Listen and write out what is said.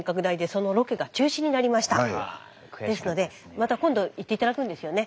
また今度行って頂くんですよね。